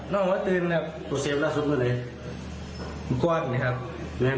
น้ำมันเกิดไกลมากเลยปุ๊กผูช